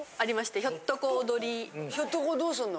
ひょっとこをどうすんの？